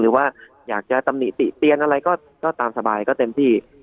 หรือว่าอยากจะตำหนิติเตียนอะไรก็ตามสบายก็เต็มที่